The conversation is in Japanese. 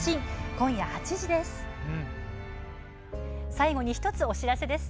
今夜８時です。